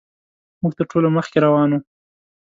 موږ تر ټولو مخکې روان وو.